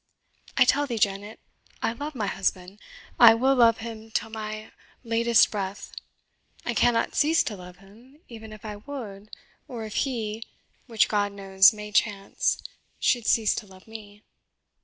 I tell thee, Janet, I love my husband I will love him till my latest breath I cannot cease to love him, even if I would, or if he which, God knows, may chance should cease to love me.